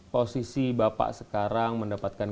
posisi bapak sekarang mendapatkan